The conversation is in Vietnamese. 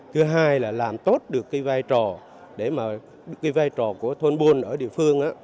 thứ hai là làm tốt được cái vai trò để mà cái vai trò của thôn buôn ở địa phương á